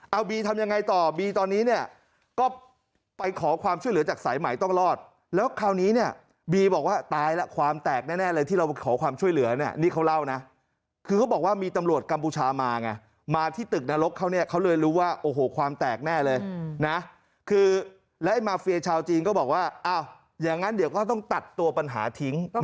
เอาบีทำยังไงต่อบีตอนนี้เนี่ยก็ไปขอความช่วยเหลือจากสายใหม่ต้องรอดแล้วคราวนี้เนี่ยบีบอกว่าตายแล้วความแตกแน่เลยที่เราขอความช่วยเหลือเนี่ยนี่เขาเล่านะคือเขาบอกว่ามีตำรวจกัมพูชามาไงมาที่ตึกนรกเขาเนี่ยเขาเลยรู้ว่าโอ้โหความแตกแน่เลยนะคือแล้วไอ้มาเฟียชาวจีนก็บอกว่าอ้าวอย่างนั้นเดี๋ยวก็ต้องตัดตัวปัญหาทิ้ง